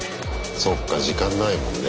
そっか時間ないもんね。